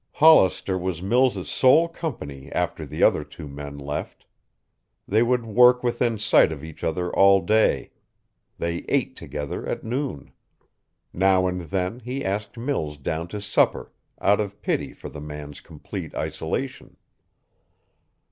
Hollister was Mills' sole company after the other two men left. They would work within sight of each other all day. They ate together at noon. Now and then he asked Mills down to supper out of pity for the man's complete isolation.